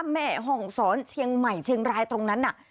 แม่ห้องศรเชียงใหม่เชียงรายตรงนั้นน่ะ